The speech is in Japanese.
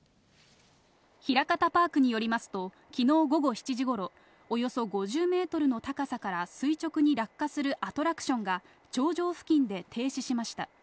ひらかたパークによりますと、きのう午後７時ごろ、およそ５０メートルの高さから垂直に落下するアトラクションが、頂上付近で停止しました。